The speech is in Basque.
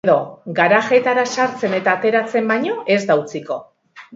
Garajeetara sartzen eta ateratzen baino ez da utziko.